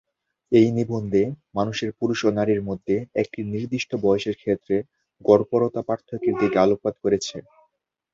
এই নিবন্ধে মানুষের পুরুষ ও নারীর মধ্যে একটি নির্দিষ্ট বয়সের ক্ষেত্রে গড়পড়তা পার্থক্যের দিকে আলোকপাত করেছে।